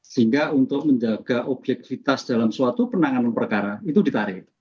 sehingga untuk menjaga objekvitas dalam suatu penanganan perkara itu ditarik